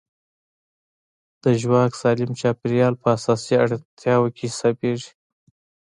د ژواک سالم چاپېریال په اساسي اړتیاوو کې حسابېږي.